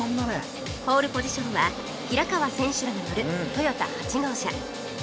ポールポジションは平川選手らが乗るトヨタ８号車